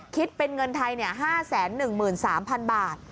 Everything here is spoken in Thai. คิดเป็นเงินไทย๕๑๓๐๐๐บาท